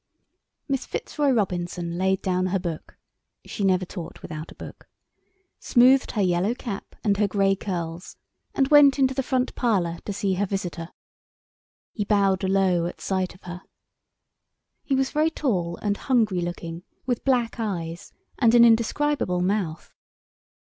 Miss Fitzroy Robinson laid down her book—she never taught without a book—smoothed her yellow cap and her grey curls and went into the front parlour to see her visitor. He bowed low at sight of her. He was very tall and hungry looking, with black eyes, and an indescribable mouth.